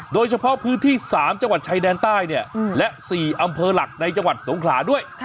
โดยเฉพาะพื้นที่๓จังหวัดชายแดนใต้และ๔อำเภอหลักในจังหวัดสงขลาด้วย